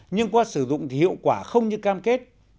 nhưng qua sử dụng thì hiệu quả không như cam kết